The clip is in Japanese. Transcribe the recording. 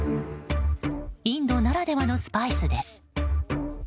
インドならではのスパイスです。